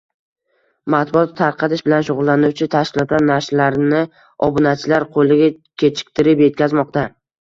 Matbuot tarqatish bilan shugʻullanuvchi tashkilotlar nashrlarni obunachilar qoʻliga kechiktirib yetkazmoqda.